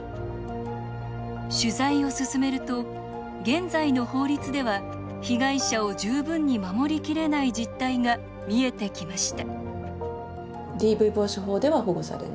取材を進めると、現在の法律では被害者を十分に守りきれない実態が見えてきました